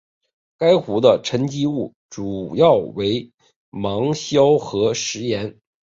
该湖的沉积物主要为芒硝和石盐。